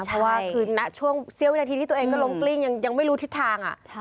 เพราะว่าคือณช่วงเสี้ยววินาทีที่ตัวเองก็ล้มกลิ้งยังไม่รู้ทิศทาง